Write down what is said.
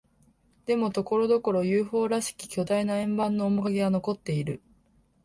でも、ところどころ、ＵＦＯ らしき巨大な円盤の面影は残っている。